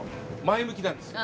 前向きなんですよ。